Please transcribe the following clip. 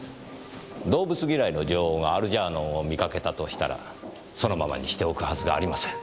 動物嫌いの女王がアルジャーノンを見かけたとしたらそのままにしておくはずがありません。